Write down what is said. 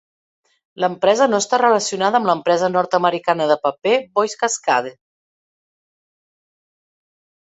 L'empresa no està relacionada amb l'empresa nord-americana de paper Boise Cascade.